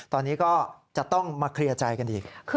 ตอนนี้ก็จะต้องมาเคลียร์ใจกันอีก